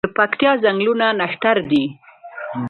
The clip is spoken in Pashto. د پکتیا ځنګلونه نښتر دي